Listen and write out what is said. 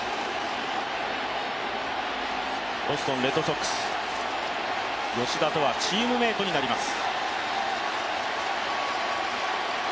ボストン・レッドソックス、吉田とはチームメイトになります。